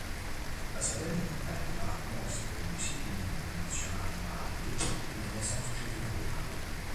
La seguente tabella mostra i requisiti minimi nazionali validi nell'Esercito Italiano.